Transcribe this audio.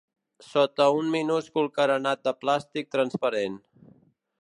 Sota un minúscul carenat de plàstic transparent.